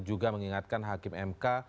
juga mengingatkan hakim mk